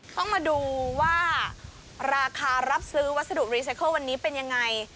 ต้องมาดูว่าราคารับซื้อวัสดุรีไซเคิลวันนี้เป็นยังไง